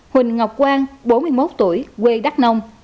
huỳnh ngọc quang bốn mươi một tuổi quê đắk nông